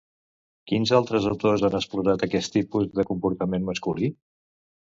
Quins altres autors han explorat aquest tipus de comportament masculí?